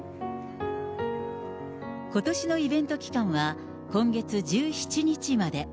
ことしのイベント期間は今月１７日まで。